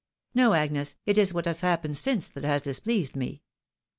No, Agnes, it is what has happened since that has displeased me.